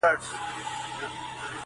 چي مطلب ته په رسېږي هغه وايي-